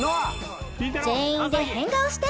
・全員で変顔して！